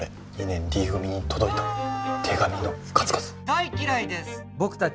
２年 Ｄ 組に届いた手紙の数々大嫌いです「僕達」